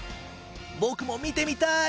僕も見てみたい！